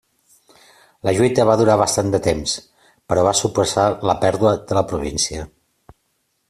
La lluita va durar bastant de temps, però va suposar la pèrdua de la província.